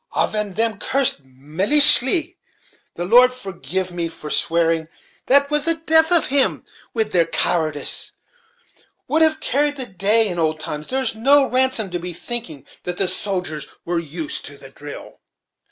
Aven them cursed millaishy, the Lord forgive me for swearing, that was the death of him, wid their cowardice, would have carried the day in old times. There's no rason to be thinking that the soldiers were used to the drill."